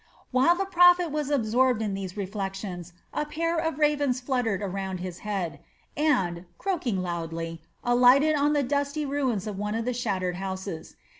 While the prophet was absorbed in these reflections a pair of ravens fluttered around his head and, croaking loudly, alighted on the dusty ruins of one of the shattered houses.